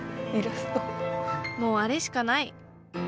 もうアレしかない。